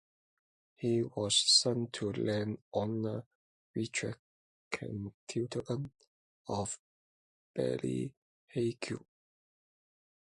He was son to land-owner Richard Cantillon of Ballyheigue.